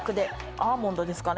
アーモンドですかね